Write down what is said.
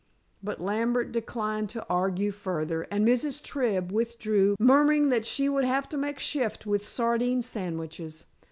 But Lambert declined to argue further, and Mrs. Tribb withdrew, murmuring that she would have to make shift with sardine sandwiches.